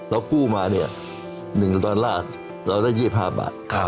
แล้วกู้มา๑ตอนราชเราได้๒๕บาท